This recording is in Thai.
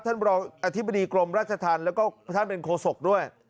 ท่านบริษัทอธิบดีกรมรัชธัฐรและก็ท่านเบนโคศกด้วย